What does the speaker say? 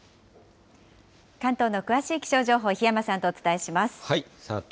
関東の詳しい気象情報、檜山さんとお伝えします。